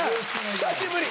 久しぶり。